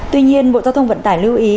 tuy nhiên bộ giao thông vận tải lưu ý